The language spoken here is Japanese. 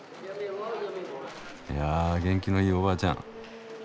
いやぁ元気のいいおばあちゃん。